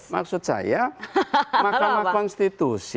maksud saya makamah konstitusi